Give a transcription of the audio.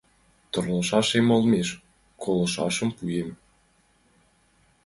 Тырлышаш эм олмеш колышашым пуэм.